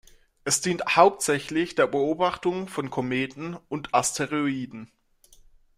Es dient hauptsächlich der Beobachtung von Kometen und Asteroiden.